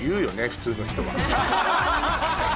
普通の人は。